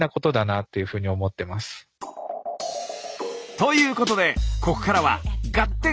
ということでここからは「ガッテン！」